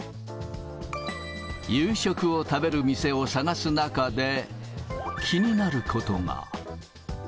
夕食を食べる店を探す中で、気になることが。